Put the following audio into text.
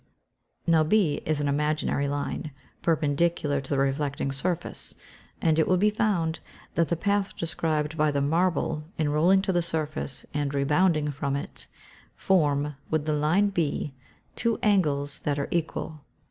Now B is an imaginary line, perpendicular to the reflecting surface; and it will be found that the path described by the marble in rolling to the surface and rebounding from it, form, with the line B, two angles that are equal.